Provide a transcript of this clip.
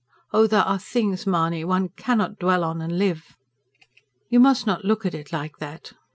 Oh, there are things, Mahony, one cannot dwell on and live!" "You must not look at it like that.